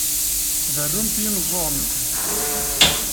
Tberrumt i yimeẓẓuɣen-nkent.